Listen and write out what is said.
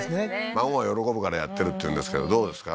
孫が喜ぶからやってるっていうんですけどどうですか？